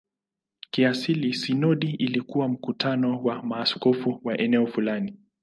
Kiasili sinodi ilikuwa mkutano wa maaskofu wa eneo fulani.